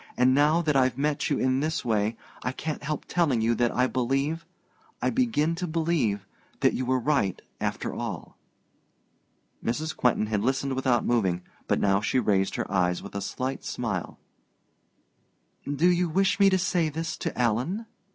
And now that I've met you in this way, I can't help telling you that I believe I begin to believe that you were right, after all." Mrs. Quentin had listened without moving; but now she raised her eyes with a slight smile. "Do you wish me to say this to Alan?"